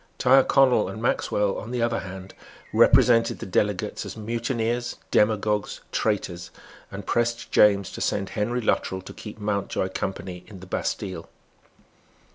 Tyrconnel and Maxwell, on the other hand, represented the delegates as mutineers, demagogues, traitors, and pressed James to send Henry Luttrell to keep Mountjoy company in the Bastille.